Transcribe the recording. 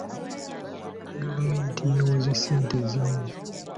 Gavumenti yeewoze ssente ezimu.